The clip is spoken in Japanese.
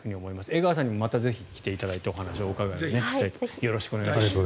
江川さんにもまたぜひ来ていただいてお話をお伺いしたいと思います。